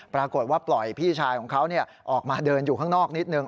ปรากฏว่าปล่อยพี่ชายของเขาออกมาเดินอยู่ข้างนอกนิดนึ